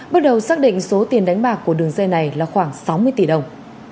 bước đầu xác định số tiền đánh bạc của đường dây này là khoảng sáu mươi tỷ đồng